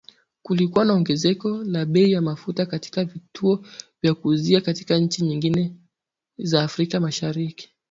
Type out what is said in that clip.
Kulikuwa na ongezeko la bei ya mafuta katika vituo vya kuuzia katika nchi nyingine za Afrika Mashariki.